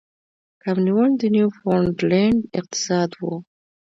کب نیول د نیوفونډلینډ اقتصاد و.